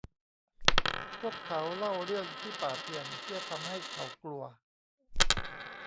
พวกเขาเล่าเรื่องที่ป่าเถื่อนเพื่อทำให้เขากลัว